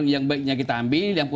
yang baiknya kita ambil